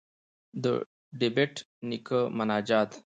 ددبېټ نيکه مناجات.